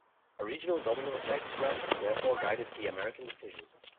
A regional domino effect threat therefore guided the American decision.